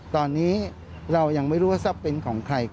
ตอนนี้เรายังไม่รู้ว่าทรัพย์เป็นของใคร